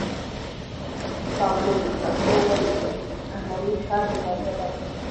پابلو پیکاسو وایي عملي کار د بریا بنسټ دی.